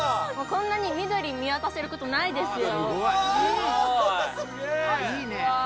こんなに緑見渡せることないですよ